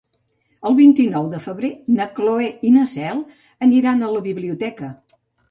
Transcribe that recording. El vint-i-nou de febrer na Cloè i na Cel aniran a la biblioteca.